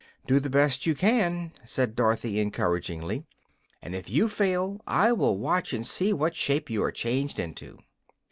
"Do the best you can," said Dorothy, encouragingly, "and if you fail I will watch and see what shape you are changed into."